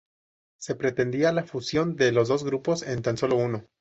Se pretendía la fusión de los dos grupos en tan solo uno.